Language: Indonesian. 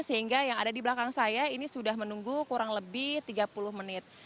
sehingga yang ada di belakang saya ini sudah menunggu kurang lebih tiga puluh menit